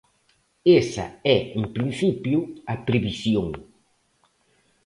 Esa é en principio a previsión.